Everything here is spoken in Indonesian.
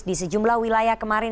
di sejumlah wilayah kemarin